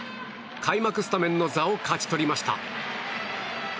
開幕スタメンの座を勝ち取りました。